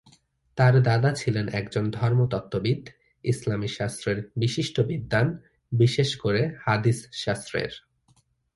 তার দাদা ছিলেন একজন ধর্মতত্ত্ববিদ, ইসলামী শাস্ত্রের বিশিষ্ট বিদ্বান, বিশেষ করে হাদিস শাস্ত্রের।